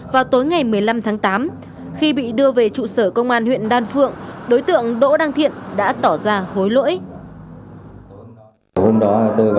vào tối ngày một mươi năm tháng tám khi bị đưa về trụ sở công an huyện đan phượng đối tượng đỗ đăng thiện đã tỏ ra hối lỗi